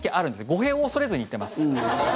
語弊を恐れずに言ってます。